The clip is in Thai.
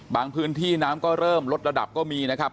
พื้นที่น้ำก็เริ่มลดระดับก็มีนะครับ